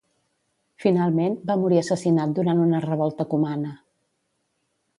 Finalment, va morir assassinat durant una revolta cumana.